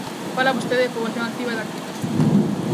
Fala vostede de poboación activa e de activos.